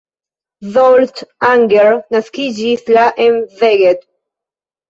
Zsolt Anger naskiĝis la en Szeged.